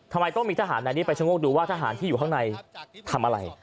ทำไมต้องมีทหารในนี้ไปชะโงกดูว่าทหารที่อยู่ข้างในทำอะไร